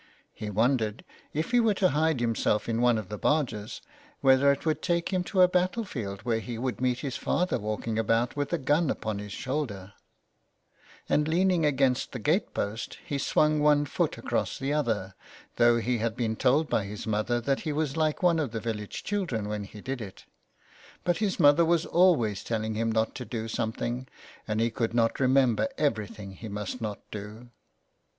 He wondered if he were to hide himself in one of the barges whether it would take him to a battlefield where he would meet his father walking about with a gun upon his shoulder ? And leaning against the gate post, he swung one foot across the other, though he had been told by his mother that he was like one of the village children when he did it, But his mother was always telling him not to do something, and he could not remember everything he must not do.